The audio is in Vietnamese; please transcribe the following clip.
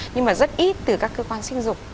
nhưng mà rất ít từ các cơ quan sinh dục